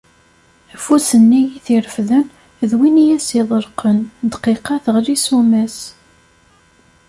Afus-nni i t-irefden d win i as-iḍelqen, ddqiqa teɣli ssuma-s.